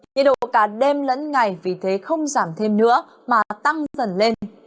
nhiệt độ cả đêm lẫn ngày vì thế không giảm thêm nữa mà tăng dần lên